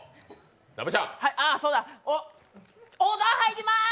オーダー入ります。